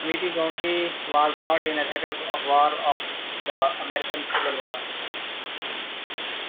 Amite County was not in a theater of war of the American Civil War.